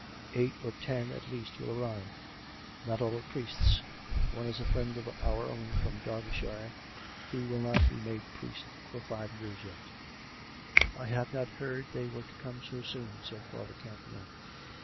" Eight or ten at least will arrive. Not all are priests. One is a friend of our own from Derbyshire, who will not be made priest for five years yet." " I had not heard they were to come so soon," said Father Campion.